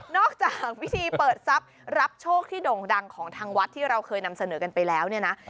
จากพิธีเปิดทรัพย์รับโชคที่โด่งดังของทางวัดที่เราเคยนำเสนอกันไปแล้วเนี่ยนะ